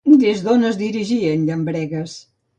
Des d'on es dirigia en Llambregues?